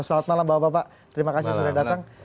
selamat malam bapak bapak terima kasih sudah datang